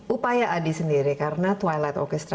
upaya adi sendiri karena twilight orchestra